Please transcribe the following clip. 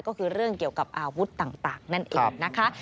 ก็คือเรื่องเกี่ยวกับอาวุธต่างนั่นเองนะคะ